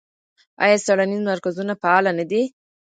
آیا څیړنیز مرکزونه فعال نه دي؟